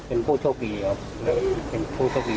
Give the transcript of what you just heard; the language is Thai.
เป็นผู้โชคดี